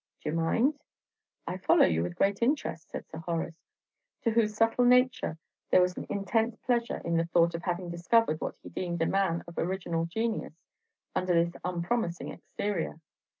D'ye mind?" "I follow you with great interest," said Sir Horace, to whose subtle nature there was an intense pleasure in the thought of having discovered what he deemed a man of original genius under this unpromising exterior.